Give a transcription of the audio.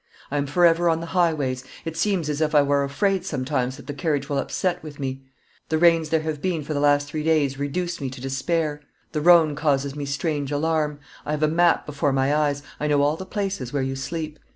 I am forever on the highways; it seems as if I were afraid sometimes that the carriage will upset with me. The rains there have been for the last three days reduce me to despair; the Rhone causes me strange alarm. I have a map before my eyes, I know all the places where you sleep.